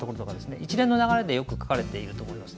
一連の流れでよく書かれていると思いますね。